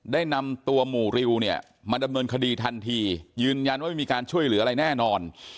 ได้นำตัวหมู่ริวเนี่ยมาดำเนินคดีทันทียืนยันว่าไม่มีการช่วยเหลืออะไรแน่นอน